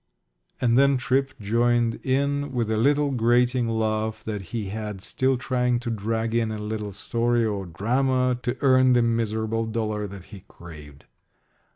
And then Tripp joined in with a little grating laugh that he had, still trying to drag in a little story or drama to earn the miserable dollar that he craved.